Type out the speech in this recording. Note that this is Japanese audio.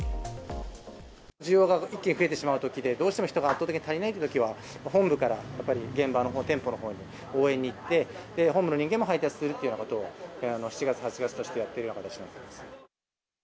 需要が一気に増えてしまうときで、どうしても人が圧倒的に足りないというときは、本部から、やっぱり現場のほう、店舗のほうへ応援に行って、本部の人間も配達するということを、７月、８月としてやっているような形になります。